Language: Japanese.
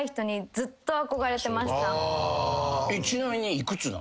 ちなみに幾つなの？